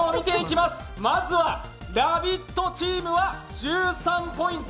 まずはラヴィットチームは１３ポイント。